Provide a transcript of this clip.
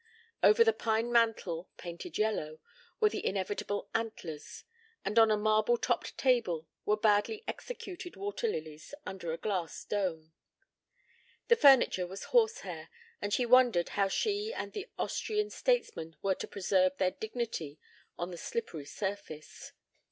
Over the pine mantel, painted yellow, were the inevitable antlers, and on a marble topped table were badly executed water lilies under a glass dome. The furniture was horsehair, and she wondered how she and the Austrian statesman were to preserve their dignity on the slippery surface.